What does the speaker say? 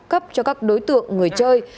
cấp cho các đối tượng người chơi